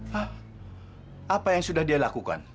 hah apa yang sudah dia lakukan